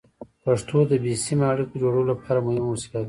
پښتو د بې سیمه اړیکو جوړولو لپاره مهمه وسیله ده.